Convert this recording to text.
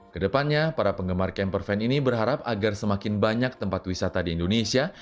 kedepannya para penggemar camper van ini berharap agar semakin banyak tempat wisata di indonesia